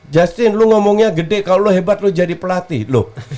justin lo ngomongnya gede kalau lo hebat lo jadi pelatih lo